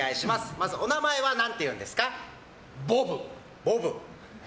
まず、お名前は何て言うんですか？